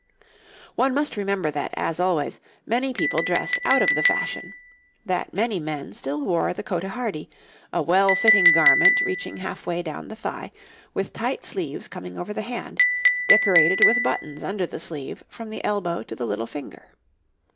One must remember that, as always, many people dressed out of the fashion; that many men still wore the cotehardie, a well fitting garment reaching half way down the thigh, with tight sleeves coming over the hand, decorated with buttons under the sleeve from the elbow to the little finger.